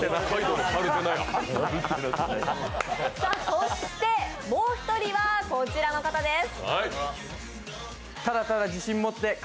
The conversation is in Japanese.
そして、もう１人はこちらの方です。